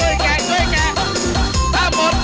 เวลาดีเล่นหน่อยเล่นหน่อย